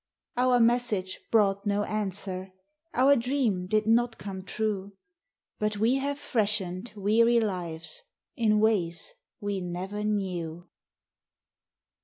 Our message brought no answ r er, — Our dream did not come true ; But we have freshened weary lives In ways we never knew.